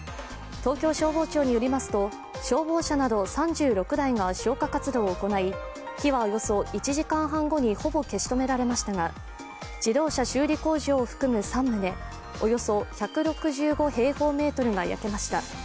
東京消防庁によりますと、消防車など３６台が消火活動を行い、火はおよそ１時間半後にほぼ消し止められましたが自動車修理工場を含む３棟およそ１６５平方メートルが焼けました。